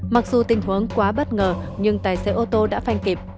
mặc dù tình huống quá bất ngờ nhưng tài xế ô tô đã phanh kịp